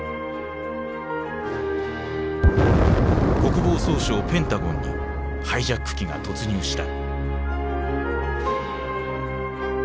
国防総省ペンタゴンにハイジャック機が突入した。